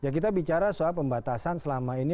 kita bicara soal pembatasan selama ini